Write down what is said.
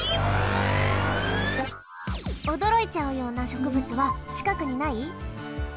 おどろいちゃうようなしょくぶつはちかくにない？